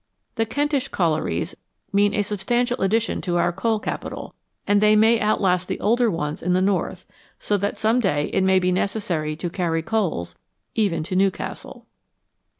The Kentish collieries mean a substantial addition to our coal capital, and they may outlast the older ones in the north, so that some day it may be necessary to carry coals even to Newcastle.